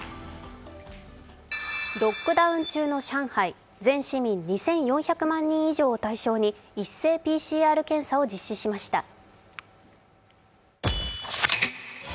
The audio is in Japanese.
ロックダウン中の上海、全市民２４００万人以上を対象に、一斉ＰＣＲ検査を実施しました。